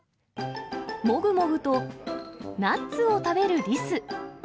もぐもぐとナッツを食べるリス。